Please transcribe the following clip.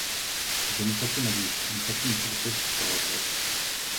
Я не хочу надеяться, не хочу ничего слышать про развод.